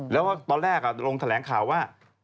แล้วตอนแรกลงแถลงข่าวว่า